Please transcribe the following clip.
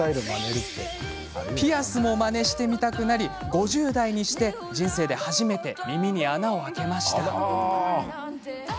ピアスもまねしてみたくなり５０代にして、人生で初めて耳に穴を開けました。